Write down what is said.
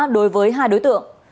đối với hai đối tượng